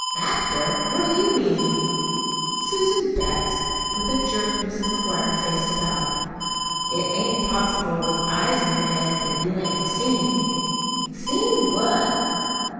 "After! What do you mean?" "Susan Betts!" With a jerk Mrs. McGuire faced about. "It ain't possible, with eyes in your head, that you hain't seen!" "Seen what?"